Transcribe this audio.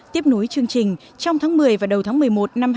tiếp nối chương trình trong tháng một mươi và đầu tháng một mươi một năm hai nghìn